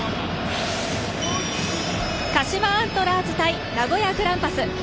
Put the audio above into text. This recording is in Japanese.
鹿島アントラーズ対名古屋グランパス。